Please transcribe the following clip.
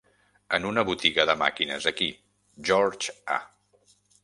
En una botiga de màquines aquí, George A.